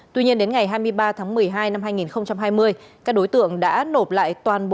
tuy nhiên đến ngày hai mươi ba tháng một mươi hai năm hai nghìn hai mươi các đối tượng đã nộp lại toàn bộ